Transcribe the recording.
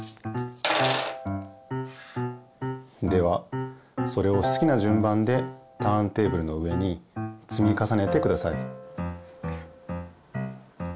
ではそれをすきなじゅん番でターンテーブルの上につみかさねてください。